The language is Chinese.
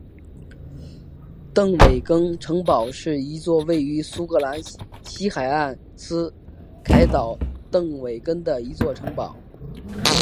邓韦根城堡是一座位于苏格兰西海岸斯凯岛邓韦根的一座城堡。